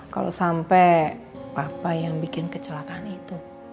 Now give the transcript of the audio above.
kalau sampai apa yang bikin kecelakaan itu